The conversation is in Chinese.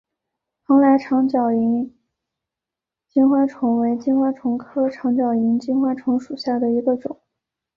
蓬莱长脚萤金花虫为金花虫科长脚萤金花虫属下的一个种。